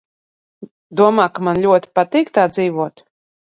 Domā, ka man ļoti patīk tā dzīvot?